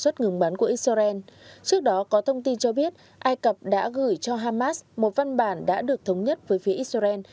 trước đó có thông tin cho biết ai cập đã gửi cho hamas một văn bản đã được thống nhất với phía israel